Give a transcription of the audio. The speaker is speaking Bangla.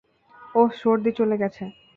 ওহ, সর্দি চলে গেছে।